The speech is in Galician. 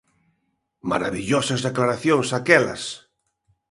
¡Marabillosas declaracións aquelas!